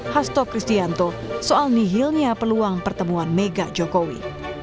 hasto kristianto soal nihilnya peluang pertemuan mega jokowi